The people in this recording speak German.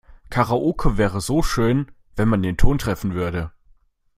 Karaoke wäre so schön, wenn man den Ton treffen würde.